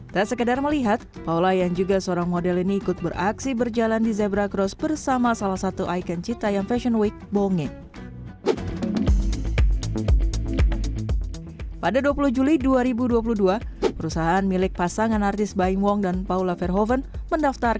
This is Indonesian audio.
tak sekedar melihat paula yang juga seorang model ini ikut beraksi berjalan di zebra cross bersama salah satu ikon cita yang fashion week bonge